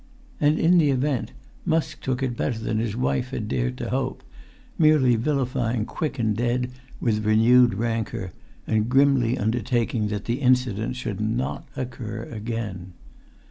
And in the event Musk took it better than his wife had dared to hope, merely vilifying quick and dead with renewed rancour, and grimly undertaking that the incident should not occur again.